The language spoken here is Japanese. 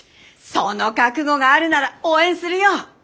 その覚悟があるなら応援するよ。